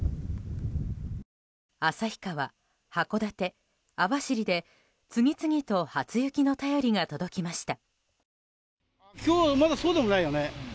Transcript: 旭川、函館、網走で次々と初雪の便りが届きました。